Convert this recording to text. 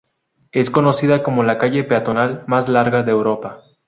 Es conocida como la calle peatonal más larga de Europa.